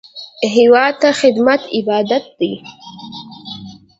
هېواد ته خدمت عبادت دی